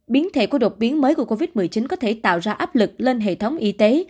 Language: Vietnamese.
biến thể của đột biến mới của covid một mươi chín có thể tạo ra áp lực lên hệ thống y tế